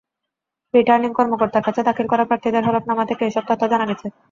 Returning কর্মকর্তার কাছে দাখিল করা প্রার্থীদের হলফনামা থেকে এসব তথ্য জানা গেছে।